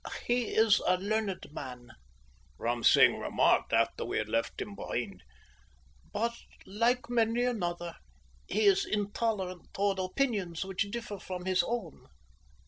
"He is a learned man," Ram Singh remarked, after we had left him behind, "but, like many another, he is intolerant towards opinions which differ from his own.